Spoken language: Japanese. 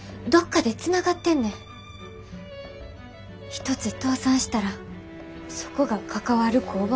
一つ倒産したらそこが関わる工場も共倒れやねん。